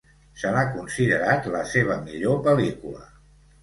Se l'ha considerat la seva millor pel·lícula.